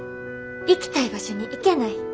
行きたい場所に行けない。